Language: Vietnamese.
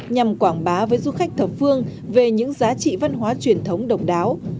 nhằm quảng bá với du khách thập phương về những giá trị văn hóa truyền thống độc đáo